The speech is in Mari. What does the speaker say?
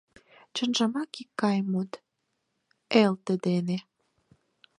Чынжымак, икгай мут — элте дене.